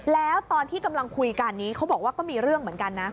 แล้วตอนที่กำลังคุยกันนี้เขาบอกว่าก็มีเรื่องเหมือนกันนะ